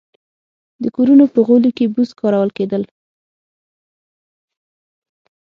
د کورونو په غولي کې بوس کارول کېدل